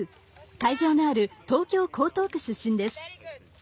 会場のある東京江東区出身です。